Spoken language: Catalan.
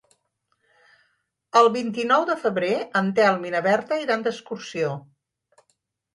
El vint-i-nou de febrer en Telm i na Berta iran d'excursió.